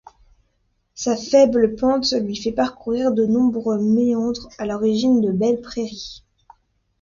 Sa faible pente lui fait parcourir de nombreux méandres à l'origine de belles prairies.